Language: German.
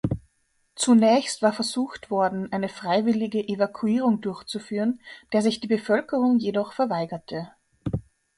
Zunächst war versucht worden eine freiwillige Evakuierung durchzuführen, der sich die Bevölkerung jedoch verweigerte.